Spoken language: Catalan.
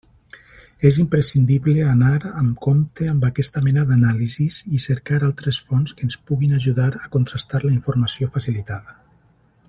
És imprescindible anar amb compte amb aquesta mena d'anàlisis i cercar altres fonts que ens puguin ajudar a contrastar la informació facilitada.